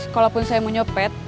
kalaupun saya mau nyopet